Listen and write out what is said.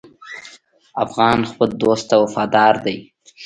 افغان خپل دوست ته وفادار دی.